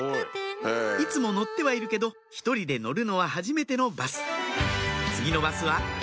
いつも乗ってはいるけど１人で乗るのははじめてのバス次のバスは？